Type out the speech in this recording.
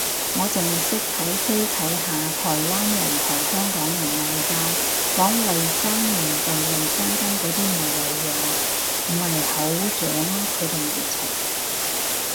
我剩係識睇推睇下台灣人同香港人嗌交，講衛生棉定衛生巾嗰啲無謂嘢，唔係好掌握佢哋民情